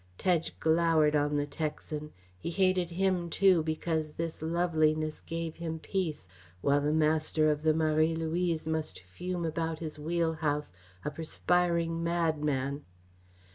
Tedge glowered on the Texan he hated him, too, because this loveliness gave him peace, while the master of the Marie Louise must fume about his wheelhouse, a perspiring madman.